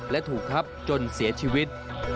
และถูกทับจนเสียชีวิต